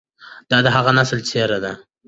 دا د هغه نسل څېره ده،